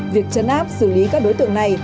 việc chấn áp xử lý các đối tượng này